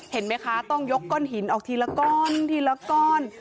เห็นไหมคะต้องยกก้อนหินออกทีละก้อนทีละก้อน